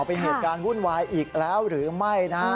เป็นเหตุการณ์วุ่นวายอีกแล้วหรือไม่นะฮะ